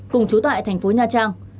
cùng chú tại thành phố nha trang